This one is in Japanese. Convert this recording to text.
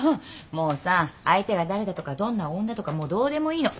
もうさ相手が誰だとかどんな女とかもうどうでもいいの。